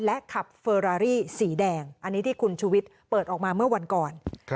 และขับเฟอรารี่สีแดงอันนี้ที่คุณชุวิตเปิดออกมาเมื่อวันก่อน